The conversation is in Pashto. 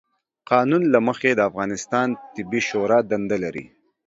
قانون له مخې، د افغانستان طبي شورا دنده لري،